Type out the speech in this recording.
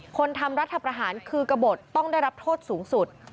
คนทำรัฐประหารคือกระบดต้องได้รับโทษสูงสุด